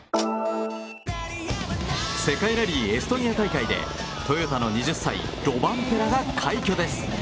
世界ラリー、エストニア大会でトヨタの２０歳ロバンペラが快挙です。